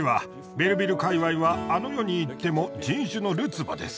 ベルヴィル界わいはあの世にいっても人種のるつぼです。